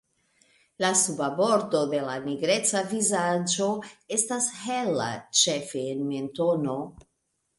La suba bordo de la nigreca vizaĝo estas hela ĉefe en mentono.